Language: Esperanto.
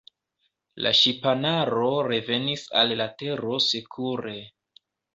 La ŝipanaro revenis al la Tero sekure.